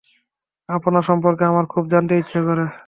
আপনার সম্পর্কে আমার খুব জানতে ইচ্ছে করে।